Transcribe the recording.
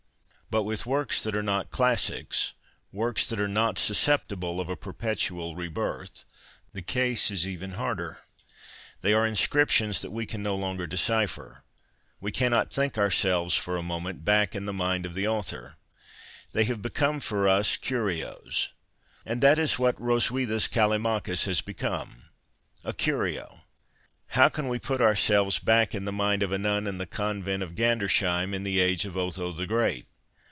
But with works that are not classics, works that are not susceptible of a perpetual rebirth, the ease is even 238 HROSWITHA harder. They are inscriptions that we can no longer decipher ; we cannot think ourselves, for a moment, back in the mind of the author. They have become for us curios. And that is what ITroswitha's Callimachus has become : a curio. How can we put ourselves back in the mind of a nun in the Convent of Gandersheim in the age of Otho the Great